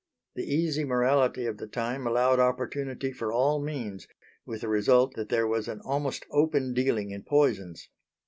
The easy morality of the time allowed opportunity for all means, with the result that there was an almost open dealing in poisons.